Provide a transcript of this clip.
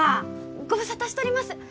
ご無沙汰しとります。